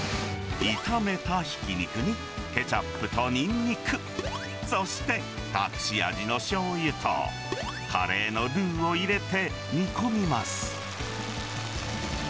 炒めたひき肉に、ケチャップとニンニク、そして隠し味のしょうゆと、カレーのルーを入れて煮込みます。